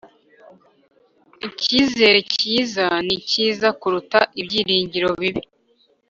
icyizere cyiza nicyiza kuruta ibyiringiro bibi